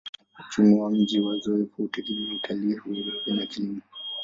Uchumi wa mji wa Azeffou hutegemea utalii, uvuvi na kilimo.